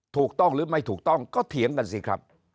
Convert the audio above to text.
ถูกต้องหรือไม่ถูกต้องก็เถียงกันสิครับ